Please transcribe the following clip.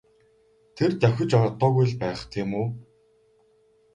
Тэр давхиж одоогүй байх тийм үү?